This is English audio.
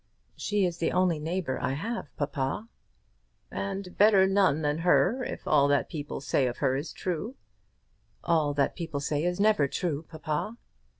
"She is the only neighbour I have, papa." "And better none than her, if all that people say of her is true." "All that people say is never true, papa."